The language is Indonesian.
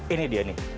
ini dia nih